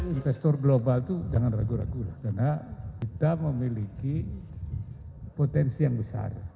investor global itu jangan ragu ragu lah karena kita memiliki potensi yang besar